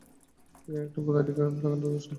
এইখানে একটু পাদটীকা লাগালে দোষ নেই।